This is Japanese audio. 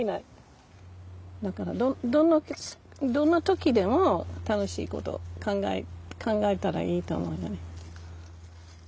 だからどんな時でも楽しい事考えたらいいと思うよね。